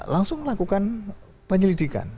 langsung melakukan penyelidikan